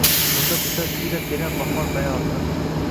unda qushlar kuylab berar bahor bayotin